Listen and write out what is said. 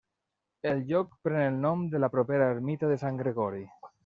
El lloc pren el nom de la propera ermita de Sant Gregori.